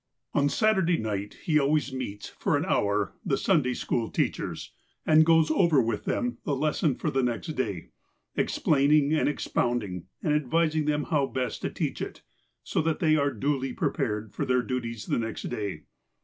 On Saturday night he always meets, for an hour, the Sunday school teachers, and goes over with them the les son for the next day, explaining and expounding, and advising them how best to teach it, so that they are duly prepared for their duties the next day.